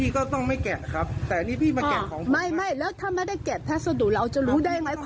ก็ไม่รู้